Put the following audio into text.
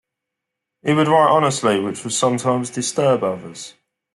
He would write honestly which would sometimes disturb others.